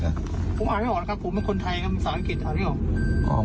ผมอ่านให้รู้นะครับผมเป็นคนไทยครับมีศาลอังกฤษอ่ะรู้หรือ